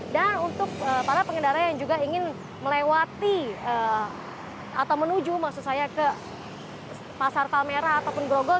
dan untuk para pengendara yang juga ingin melewati atau menuju maksud saya ke pasar palmerah ataupun grogol